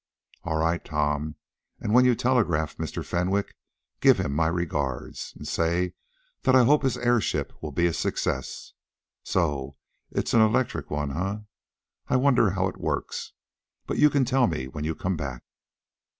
"All right, Tom, and when you telegraph to Mr. Fenwick, give him my regards, and say that I hope his airship will be a success. So it's an electric one, eh? I wonder how it works? But you can tell me when you come back."